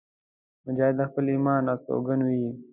مجاهد د خپل ایمان استوګن وي.